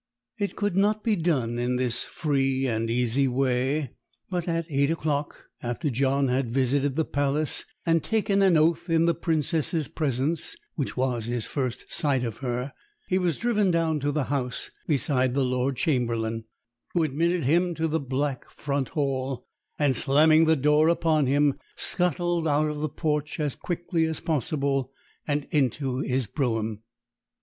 It could not be done in this free and easy way; but at eight o'clock, after John had visited the Palace and taken an oath in the Princess's presence (which was his first sight of her), he was driven down to the house beside the Lord Chamberlain, who admitted him to the black front hall, and, slamming the door upon him, scuttled out of the porch as quickly as possible and into his brougham.